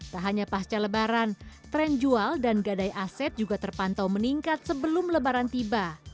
tak hanya pasca lebaran tren jual dan gadai aset juga terpantau meningkat sebelum lebaran tiba